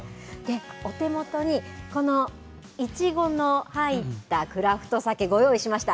お手元にこのいちごの入ったクラフトサケ、ご用意しました。